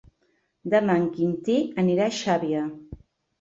Demà en Quintí anirà a Xàbia.